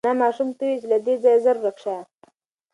انا ماشوم ته وویل چې له دې ځایه زر ورک شه.